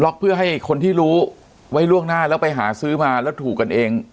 เพื่อให้คนที่รู้ไว้ล่วงหน้าแล้วไปหาซื้อมาแล้วถูกกันเอง